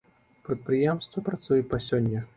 Прадпрыемства працуе па сёння.